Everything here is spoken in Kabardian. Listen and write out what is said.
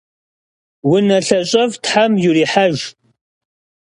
Vunelhaş'ef' them vurihejj!